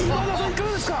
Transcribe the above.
いかがですか？